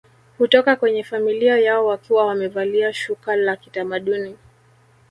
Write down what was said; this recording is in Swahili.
Hutoka kwenye familia yao wakiwa wamevalia shuka la kitamaduni